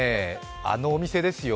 あのお店ですよ。